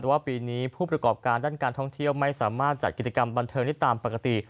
แต่ว่าปีนี้ผู้ประกอบการด้านการท่องเที่ยวไม่สามารถจัดกิจกรรมบันเทิงได้ตามปกติ